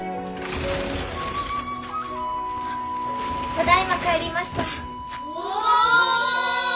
ただいま帰りました。